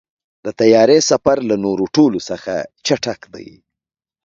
د طیارې سفر له نورو ټولو څخه چټک دی.